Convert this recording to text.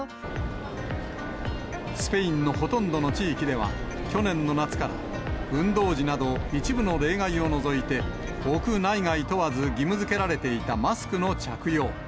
スペインのほとんどの地域では、去年の夏から、運動時など一部の例外を除いて、屋内外問わず義務づけられていたマスクの着用。